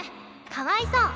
かわいそう！